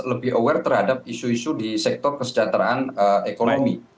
lebih aware terhadap isu isu di sektor kesejahteraan ekonomi